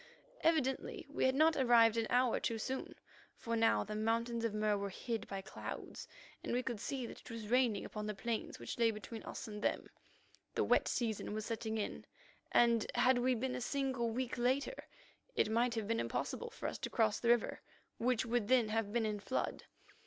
Evidently we had not arrived an hour too soon, for now the Mountains of Mur were hid by clouds, and we could see that it was raining upon the plains which lay between us and them. The wet season was setting in, and, had we been a single week later, it might have been impossible for us to cross the river, which would then have been in flood.